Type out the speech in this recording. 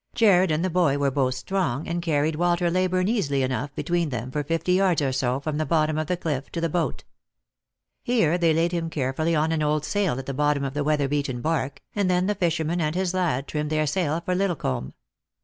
Jarued and the boy were both strong, and caried Walter Leyburne easily enough between them for fifty yards or so from the bottom of the cliff to the boat. Here they laid him carefully on an old sail at the bottom of the weather beaten bark, and then the fisherman and his lad trimmed their sail for Liddlecomb.